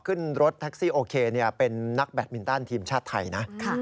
ขึ้นรถแท็กซี่โอเคเป็นนักแบตมินตันทีมชาติไทยนะ